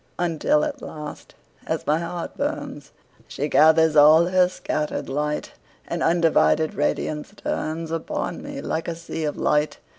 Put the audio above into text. Until at last, as my heart burns, She gathers all her scatter'd light, And undivided radiance turnsUpon me like a sea of light.